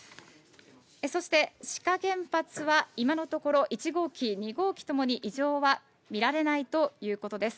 そして志賀原発は今のところ、１号機、２号機ともに異常は見られないということです。